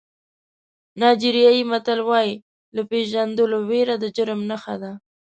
نایجیریایي متل وایي له پېژندلو وېره د جرم نښه ده.